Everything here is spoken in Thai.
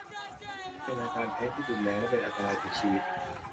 เป็นอาการแพ้ที่รุนแรงและเป็นอันตรายถึงชีวิต